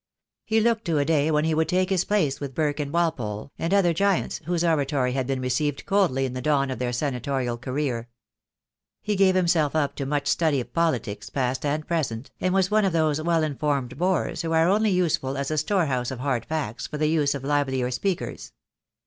He looked to a day when he would take his place with Burke and Walpole, and other giants, whose oratory had been received coldly in the dawn of their senatorial career. He gave himself up to much study of politics past and present, and was one of those well informed bores who are only useful as a store house of hard facts for the use of livelier speakers.